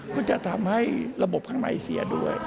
ก็จะทำให้ระบบข้างในเสียด้วย